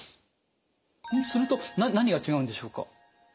すると何が違うんでしょうか？